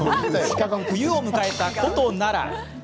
冬を迎えた古都・奈良。